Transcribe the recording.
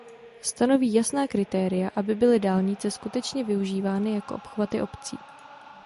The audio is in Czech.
Stanoví jasná kritéria, aby byly dálnice skutečně využívány jako obchvaty obcí.